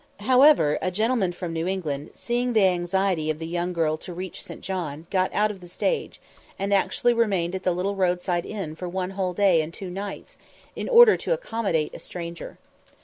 However, a gentleman from New England, seeing the anxiety of the young girl to reach St. John, got out of the stage, and actually remained at the little roadside inn for one whole day and two nights, in order to accommodate a stranger.